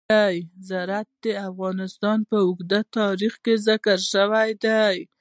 زراعت د افغانستان په اوږده تاریخ کې ذکر شوی دی.